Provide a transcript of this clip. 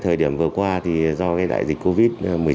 trong thời điểm vừa qua do đại dịch covid một mươi chín